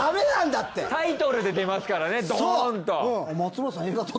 タイトルで出ますからねドーンと。